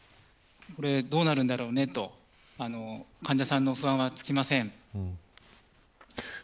これ、どうなるんだろうねと患者さんの不安は尽きません。